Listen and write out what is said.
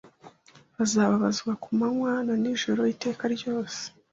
Bazababazwa ku manywa na nijoro iteka ryose